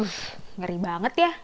huff ngeri banget ya